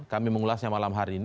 kami mengulasnya malam hari ini